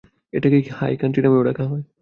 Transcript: এটাকে high country নামেও ডাকা হয়।